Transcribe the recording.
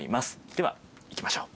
では行きましょう。